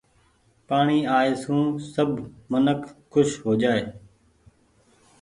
پآڻيٚ آئي سون سب منک کوس هو جآئي ۔